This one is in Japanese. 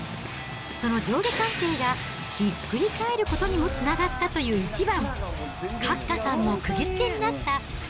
その上下関係がひっくり返ることにもつながったという一番。